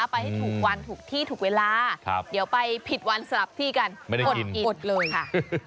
ไปให้ถูกวันถูกที่ถูกเวลาเดี๋ยวไปผิดวันสลับที่กันอดเลยค่ะ